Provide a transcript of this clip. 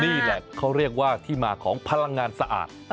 นี่แหละเขาเรียกว่าที่มาของพลังงานสะอาด